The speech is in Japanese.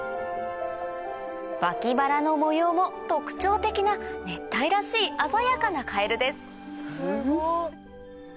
脇腹の模様も特徴的な熱帯らしい鮮やかなカエルです